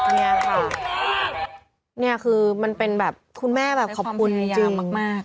นี่ค่ะเนี่ยคือมันเป็นแบบคุณแม่แบบขอบคุณจริงจริงค่ะ